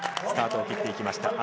スタートを切っていきました。